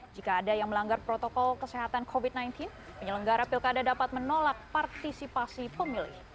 jika ada yang melanggar protokol kesehatan covid sembilan belas penyelenggara pilkada dapat menolak partisipasi pemilih